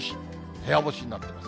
部屋干しになってます。